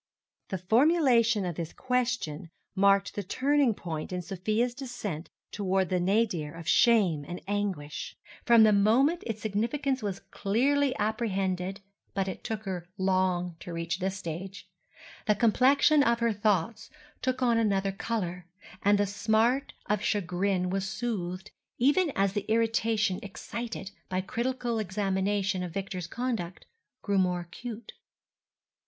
The formulation of this question marked the turning point in Sofia's descent toward the nadir of shame and anguish; from the moment its significance was clearly apprehended (but it took her long to reach this stage) the complexion of her thoughts took on another colour, and the smart of chagrin was soothed even as the irritation excited by critical examination of Victor's conduct grew more acute.